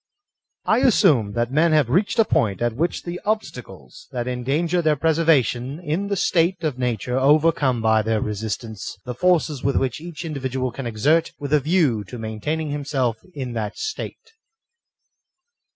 I ASSUME that men have reached a point at which the obstacles that endanger their preservation in the state of nature overcome by their resistance the forces which each individual can exert with a view to main taining himself in that state.